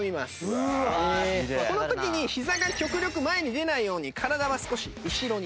この時にひざが極力前に出ないように体は少し後ろに。